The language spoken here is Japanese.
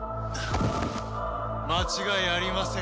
間違いありません。